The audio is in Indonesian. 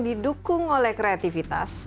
didukung oleh kreativitas